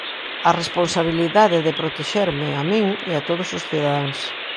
A responsabilidade de protexerme, a min, e a todos os cidadáns.